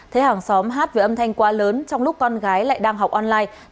thấy hàng xóm hát về âm thanh quá lớn trong lúc con gái lại đang học online